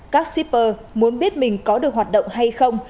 các shipper muốn biết mình có được hoạt động hay không